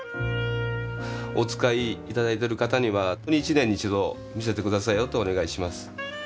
お使い頂いてる方には本当に一年に一度見せて下さいよとお願いします。